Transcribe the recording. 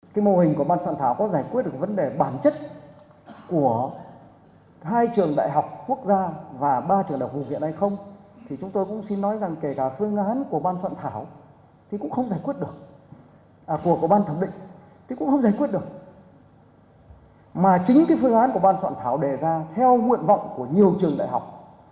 cơ quan soạn thảo đề ra theo nguyện vọng của nhiều trường đại học thì lại có phần giải quyết được